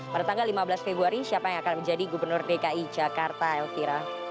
pada tanggal lima belas februari siapa yang akan menjadi gubernur dki jakarta elvira